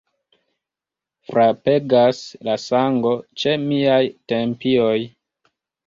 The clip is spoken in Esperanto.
Frapegas la sango ĉe miaj tempioj.